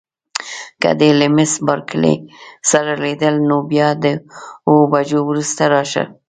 که دې له میس بارکلي سره لیدل نو بیا د اوو بجو وروسته راشه.